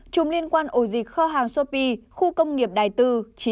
bốn chùm liên quan ổ dịch kho hàng sô pi khu công nghiệp đài tư chín